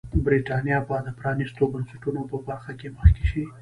برېټانیا به د پرانیستو بنسټونو په برخه کې مخکې شي.